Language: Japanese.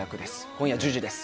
今夜１０時です。